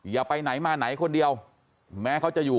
มาไหนคนเดียวแม้เขาจะอยู่